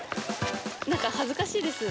何か恥ずかしいです。